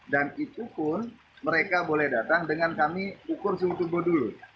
dan itu pun mereka boleh datang dengan kami ukur suhu turbo dulu